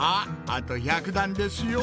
あと１００段ですよ